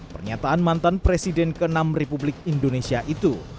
pernyataan mantan presiden ke enam republik indonesia itu